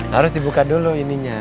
harus dibuka dulu ininya